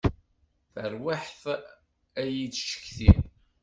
Tarwiḥt ad yi-d-tcetki.